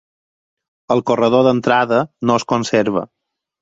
El corredor d'entrada no es conserva.